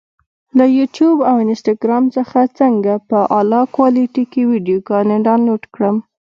له یوټیوب او انسټاګرام څخه څنګه په اعلی کوالټي کې ویډیوګانې ډاونلوډ کړم؟